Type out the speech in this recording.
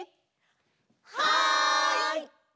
はい！